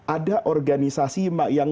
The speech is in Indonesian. ada organisasi yang